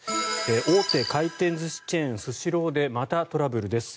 大手回転寿司チェーンスシローでまたトラブルです。